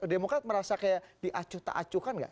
demokrat merasa kayak diacu taacukan gak